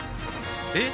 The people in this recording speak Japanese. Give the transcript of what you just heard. えっ！？